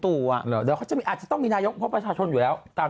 อาจจะต้องมีนายกพวกประชาชนอยู่แล้ว